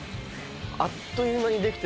あっという間にできてる。